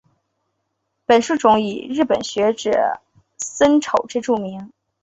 本树种以日本学者森丑之助命名。